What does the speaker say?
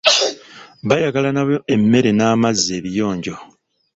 Baayagala nabo emmere n'amazzi ebiyinjo.